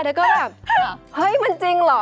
แล้วก็แบบเฮ้ยมันจริงเหรอ